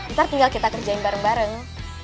ntar tinggal kita kerjain bareng bareng